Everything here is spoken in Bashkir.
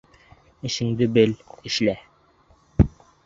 Эшеңде бел, эшлә!